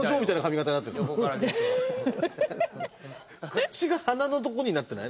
口が鼻のとこになってない？